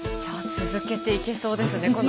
じゃあ続けていけそうですね